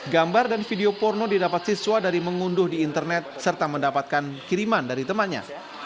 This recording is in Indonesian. gambar dan video porno didapat siswa dari mengunduh di internet serta mendapatkan kiriman dari temannya